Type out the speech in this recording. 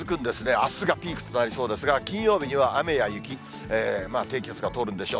あすがピークとなりそうですが、金曜日には雨や雪、低気圧が通るんでしょう。